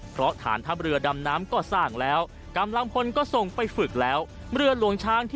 เพราะฐานทัพเรือดำน้ำก็สร้างแล้วกำลังพลก็ส่งไปฝึกแล้ว